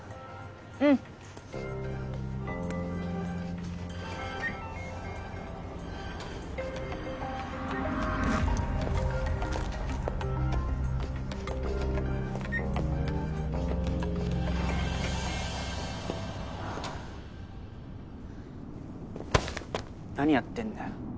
うん何やってんだよ